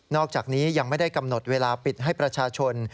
อกจากนี้ยังไม่ได้กำหนดเวลาปิดให้ประชาชน